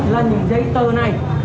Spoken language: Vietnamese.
là những giấy tờ này